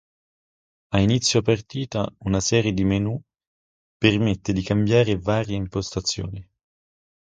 A inizio partita una serie di menù permette di cambiare varie impostazioni.